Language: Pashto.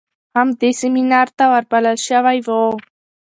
هم دې سمينار ته ور بلل شوى و.